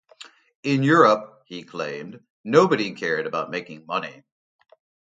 In Europe, he claimed, nobody cared about making money.